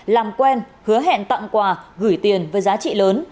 làm quen hứa hẹn tặng quà gửi tiền với giá trị lớn